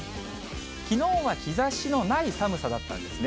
きのうは日ざしのない寒さだったんですね。